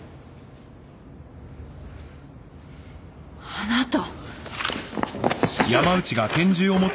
あなた。